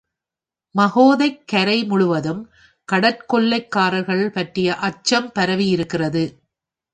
மகோதைக் கரை முழுவதும் கடற்கொள்ளைக்காரர்களைப் பற்றிய அச்சம் பரவியிருக்கிறது.